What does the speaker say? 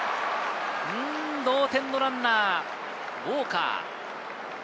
同点のランナー、ウォーカー。